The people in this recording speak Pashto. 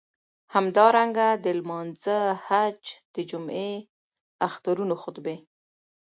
همدارنګه د لمانځه، حج، د جمعی، اخترونو خطبی.